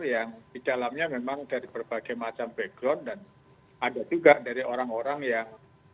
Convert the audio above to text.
yang di dalamnya memang dari berbagai macam background dan ada juga dari orang orang yang